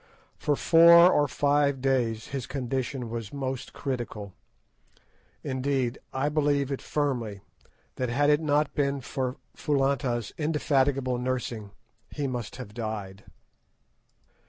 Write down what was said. For four or five days his condition was most critical; indeed, I believe firmly that had it not been for Foulata's indefatigable nursing he must have died.